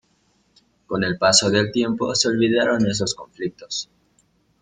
Con el paso del tiempo se olvidaron esos conflictos.